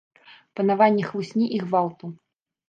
Панаванне хлусні і гвалту.